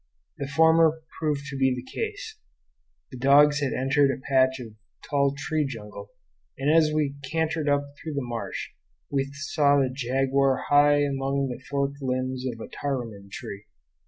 The former proved to be the case. The dogs had entered a patch of tall tree jungle, and as we cantered up through the marsh we saw the jaguar high among the forked limbs of a taruman tree.